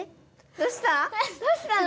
どうしたの？